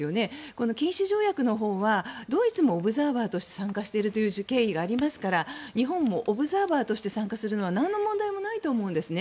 この禁止条約のほうはドイツもオブザーバーとして参加しているという経緯がありますから日本もオブザーバーとして参加するのはなんの問題もないと思うんですね。